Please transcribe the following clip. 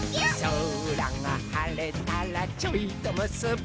「そらがはれたらちょいとむすび」